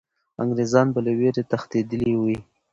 انګریزان به له ویرې تښتېدلي وي.